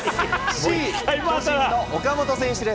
Ｃ、巨人の岡本選手です。